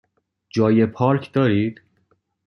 جای پارک دارید؟